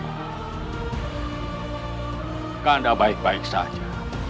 kakanda baik baik saja